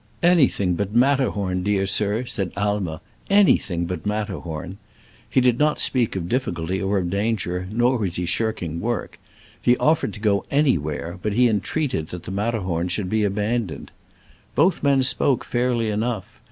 ''Anything but Mat terhorn, dear sir!" said Aimer —'" any^ thing but Matterhorn." He did not speak of difficulty or of danger, nor was he shirking work. He offered to go anywhere, but he entreated that the Mat terhorn should be abandoned. Both men spoke fairly enough.